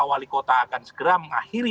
kami menyambungi doen jonathan johnson